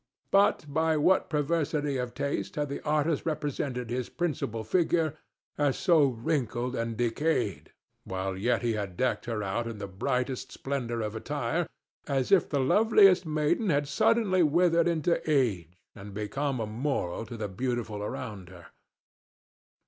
But by what perversity of taste had the artist represented his principal figure as so wrinkled and decayed, while yet he had decked her out in the brightest splendor of attire, as if the loveliest maiden had suddenly withered into age and become a moral to the beautiful around her?